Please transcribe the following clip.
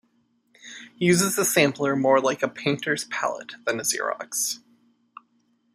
He uses the sampler more like a painter's palette than a Xerox.